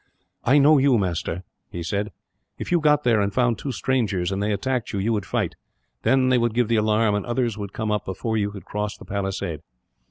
"I know you, master," he said; "if you got there, and found two strangers, and they attacked you, you would fight; then they would give the alarm, and others would come up before you could cross the palisade.